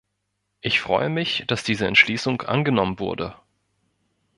Ich freue mich, dass diese Entschließung angenommen wurde.